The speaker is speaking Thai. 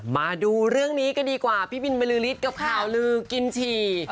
มาดูเรื่องนี้กันดีกว่าพี่บินบริษฐ์กับข่าวลือกินฉี่